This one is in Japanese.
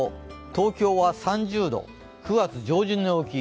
東京は３０度、９月上旬の陽気。